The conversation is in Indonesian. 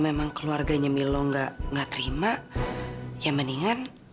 mbak juli sedih